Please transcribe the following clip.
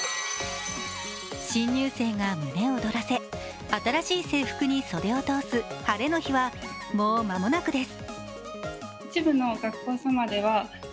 新入生が胸躍らせ、新しい制服に袖を通す晴れの日は、もう間もなくです。